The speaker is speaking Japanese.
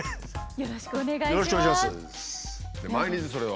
よろしくお願いします。